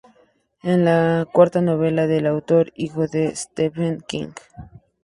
Es la cuarta novela del autor, hijo de Stephen King.